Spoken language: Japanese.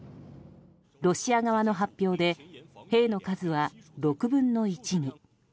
ロシア側の発表で兵の数は６分の１に。